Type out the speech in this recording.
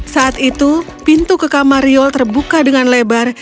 saat itu pintu ke kamar riol terbuka dengan lebar